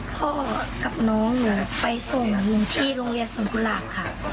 พอกับน้องไปส่งที่โรงเรียนสงคราบค่ะ